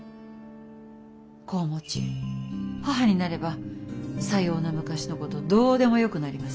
子を持ち母になればさような昔のことどうでもよくなります。